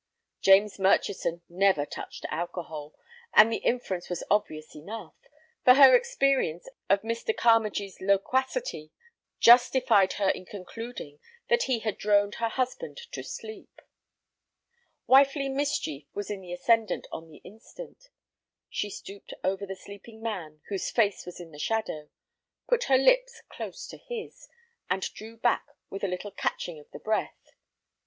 James Murchison never touched alcohol, and the inference was obvious enough, for her experience of Mr. Carmagee's loquacity justified her in concluding that he had droned her husband to sleep. Wifely mischief was in the ascendant on the instant. She stooped over the sleeping man whose face was in the shadow, put her lips close to his, and drew back with a little catching of the breath.